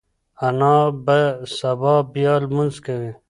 انا به سبا بیا لمونځ کوي.